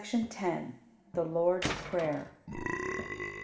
Amen. The Lord's Prayer.